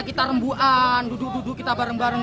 kita rembuan duduk duduk kita bareng bareng